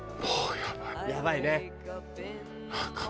やばいね。